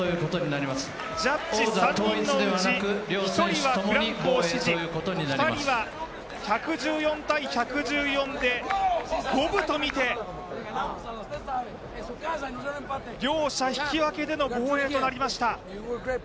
ジャッジ３人のうち１人はフランコを支持、２人は１１４−１１４で五分とみて、両者引き分けでの防衛となりました。